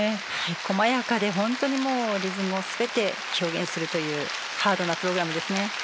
細やかで本当にもうリズムを全て表現するというハードなプログラムですね。